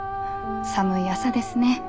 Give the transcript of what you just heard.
寒い朝ですね。